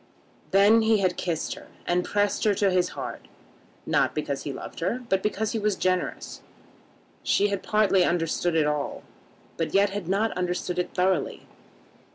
Then he had kissed her, and pressed her to his heart, not because he loved her, but because he was generous. She had partly understood it all, but yet had not understood it thoroughly.